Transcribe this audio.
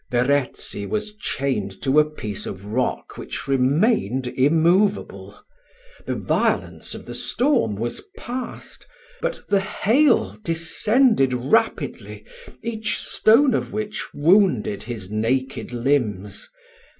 Verezzi was chained to a piece of rock which remained immoveable. The violence of the storm was past, but the hail descended rapidly, each stone of which wounded his naked limbs.